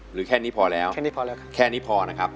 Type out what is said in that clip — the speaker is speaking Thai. หรือแค่นี้พอแล้วแค่นี้พอแล้วครับ